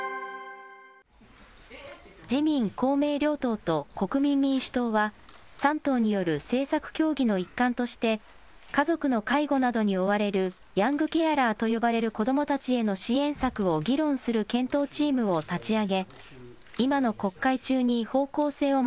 自民、公明両党と国民民主党は、３党による政策協議の一環として、家族の介護などに追われるヤングケアラーと呼ばれる子どもたちへの支援策を議論する検討チームを立ち上げ、今の国会中に方向性を